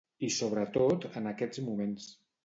I sobretot en aquests moments.